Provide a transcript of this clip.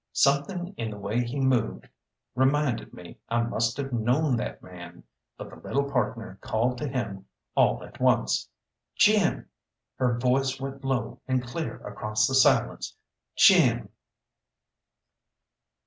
Something in the way he moved reminded me I must have known that man, but the little partner called to him all at once "Jim!" Her voice went low and clear across the silence. "Jim!"